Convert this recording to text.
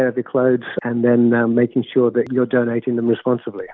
dan memastikan anda menerima mereka dengan tanggung jawab